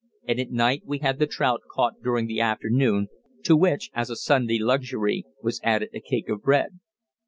And at night we had the trout caught during the afternoon, to which, as a Sunday luxury, was added a cake of bread.